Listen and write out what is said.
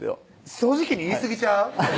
正直に言いすぎちゃう？